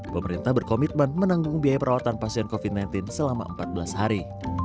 pemerintah berkomitmen menanggung biaya perawatan pasien covid sembilan belas selama empat belas hari